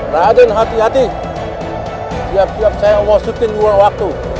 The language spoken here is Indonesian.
daden hati hati siap siap saya mau syutin ruang waktu